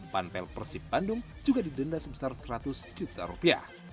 panpel persib bandung juga didenda sebesar seratus juta rupiah